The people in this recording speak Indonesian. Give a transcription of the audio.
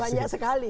tapi banyak sekali